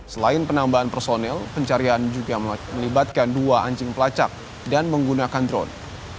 selain penambahan personel pencarian juga melibatkan dua anjing pelacak dan menggunakan drone